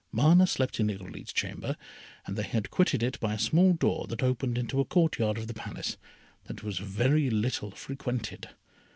Mana slept in Irolite's chamber, and they had quitted it by a small door that opened into a court yard of the Palace that was very little frequented.